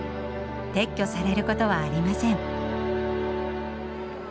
撤去されることはありません。